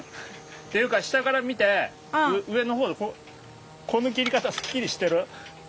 っていうか下から見て上の方この切り方すっきりしてる？